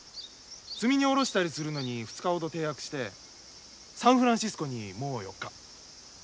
積み荷を降ろしたりするのに２日ほど停泊してサンフランシスコにもう４日。